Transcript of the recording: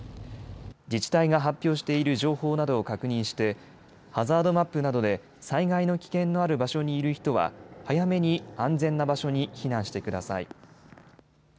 自治体が発表している情報などを確認してハザードマップなどで災害の危険のある場所にいる人は早めに安全な場所に避難してください。